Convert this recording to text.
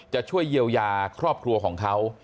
จะช่วยเยียวยาครอบครัวของเขา